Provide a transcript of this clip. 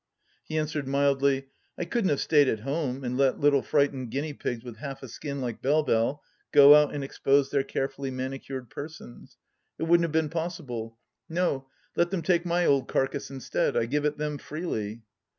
He answered mildly ; THE LAST DITCH 189 " I couldn't have stayed at home, and let little frightened guinea pigs with half a skin like Belle Belle go out and expose their carefully manicured persons. It wouldn't have been possible. No, let them take my old carcase instead. I give it 'em freely."